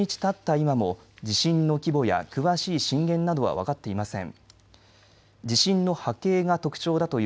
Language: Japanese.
今も地震の規模や詳しい震源などは分かっていません。